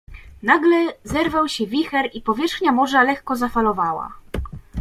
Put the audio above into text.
"Nagle zerwał się wicher i powierzchnia morza lekko zafalowała."